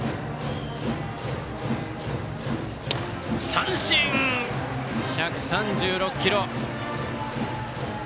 三振！１３６キロ！